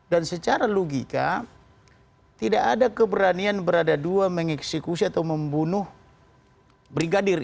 dan secara logika tidak ada keberanian berada dua mengeksekusi atau membunuh brigadir